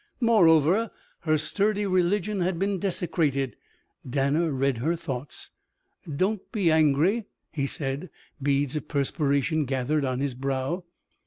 Moreover, her sturdy religion had been desecrated. Danner read her thoughts. "Don't be angry," he said. Beads of perspiration gathered on his brow.